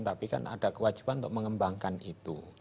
tapi kan ada kewajiban untuk mengembangkan itu